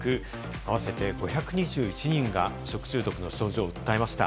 合わせて５２１人が食中毒の症状を訴えました。